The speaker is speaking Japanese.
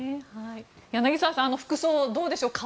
柳澤さん、服装はどうでしょうか？